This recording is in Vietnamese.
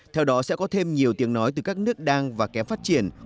theo đó sẽ có thêm nhiều tiếng nói từ các nước đang và kém phát triển